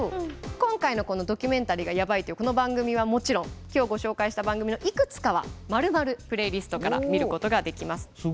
今回の「このドキュメンタリーがヤバい！」というこの番組はもちろん今日ご紹介した番組のいくつかはまるまるプレイリストから見ることができます。